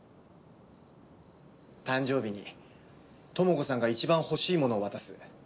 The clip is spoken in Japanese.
誕生日にともこさんがいちばん欲しいものを渡す。